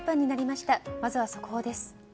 まずは速報です。